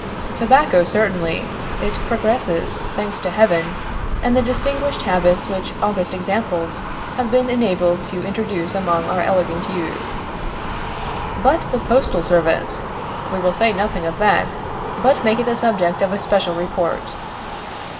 Tobacco, certainly; it progresses, thanks to Heaven, and the distinguished habits which august examples have been enabled to introduce among our elegant youth. But the postal service! We will say nothing of that, but make it the subject of a special report.